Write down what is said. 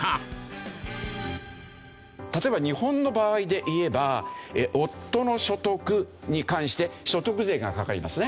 例えば日本の場合で言えば夫の所得に関して所得税がかかりますね。